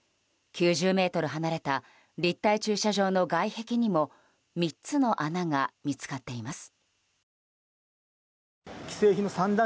９０ｍ離れた立体駐車場の外壁にも３つの穴が見つかっています。